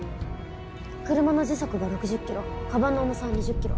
車の時速が６０キロカバンの重さは２０ｋｇ。